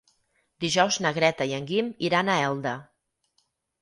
Dijous na Greta i en Guim iran a Elda.